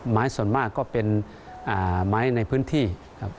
ไม้ส่วนมากก็เป็นไม้ในพื้นที่ครับ